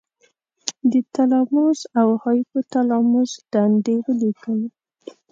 د تلاموس او هایپو تلاموس دندې ولیکئ.